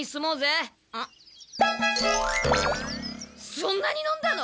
そんなに飲んだの！？